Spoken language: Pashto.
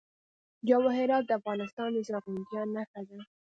جواهرات د افغانستان د زرغونتیا نښه ده.